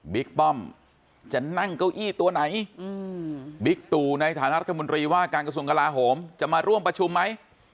ป้อมจะนั่งเก้าอี้ตัวไหนบิ๊กตู่ในฐานะรัฐมนตรีว่าการกระทรวงกลาโหมจะมาร่วมประชุมไหม